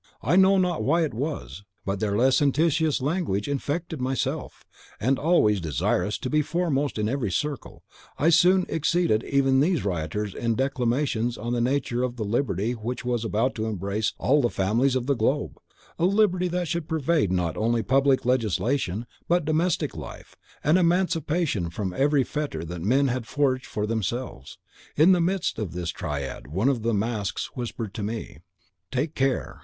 I know not why it was, but their licentious language infected myself; and, always desirous to be foremost in every circle, I soon exceeded even these rioters in declamations on the nature of the liberty which was about to embrace all the families of the globe, a liberty that should pervade not only public legislation, but domestic life; an emancipation from every fetter that men had forged for themselves. In the midst of this tirade one of the masks whispered me, "'Take care.